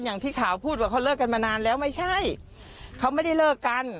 อย่างที่ข่าวพูดว่าเขาเลิกกันมานานแล้วไม่ใช่เขาไม่ได้เลิกกัน